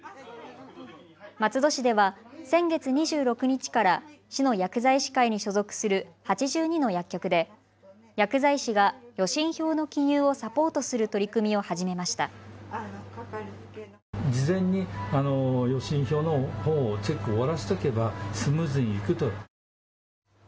松戸市では先月２６日から市の薬剤師会に所属する８２の薬局で薬剤師が予診票の記入をサポートする取り組みを始めました。